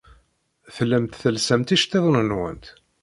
Tellamt telsamt iceḍḍiḍen-nwent.